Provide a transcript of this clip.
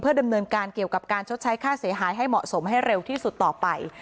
ดำเนินการเกี่ยวกับการชดใช้ค่าเสียหายให้เหมาะสมให้เร็วที่สุดต่อไป